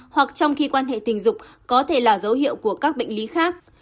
hoặc trong khi quan hệ tình dục có thể là dấu hiệu của các bệnh lý khác